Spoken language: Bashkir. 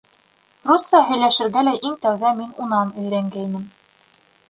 Русса һөйләшергә лә иң тәүҙә мин унан өйрәнгәйнем.